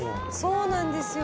そうなんですよ